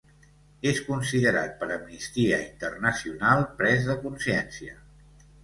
És considerat per Amnistia Internacional pres de consciència.